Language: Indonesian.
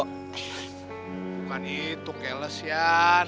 bukan itu keles yaan